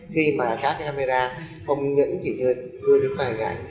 khi mà các camera không những chỉ như lưu ý của các camera